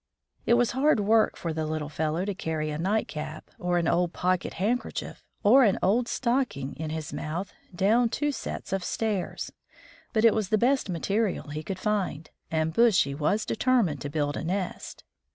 It was hard work for the little fellow to carry a night cap, or an old pocket handkerchief, or an old stocking in his mouth down two sets of stairs, but it was the best material he could find, and Bushy was determined to build a nest.